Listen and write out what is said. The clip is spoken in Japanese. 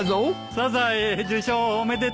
サザエ受賞おめでとう。